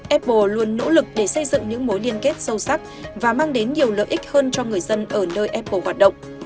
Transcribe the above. apple luôn nỗ lực để xây dựng những mối liên kết sâu sắc và mang đến nhiều lợi ích hơn cho người dân ở nơi apple hoạt động